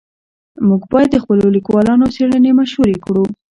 موږ باید د خپلو لیکوالانو څېړنې مشهورې کړو.